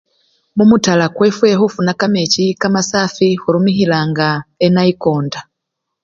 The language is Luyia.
Mumutala kwefwe khufuna kamechi kamasafi khurumikhilanga enayikonta.